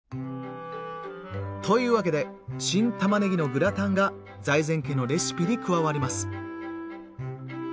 というわけで「新たまねぎのグラタン」が財前家のレシピに加わります。